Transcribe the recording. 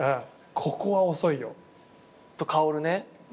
ここは遅いよ。と薫ね。